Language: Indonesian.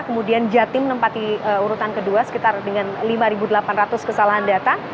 kemudian jatim menempati urutan kedua sekitar dengan lima delapan ratus kesalahan data